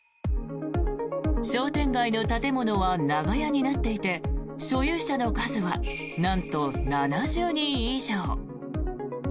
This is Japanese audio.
商店街の建物は長屋になっていて所有者の数はなんと７０人以上。